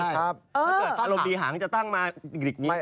ถ้าเกิดอารมณ์ดีหางจะตั้งมาหลีกนี้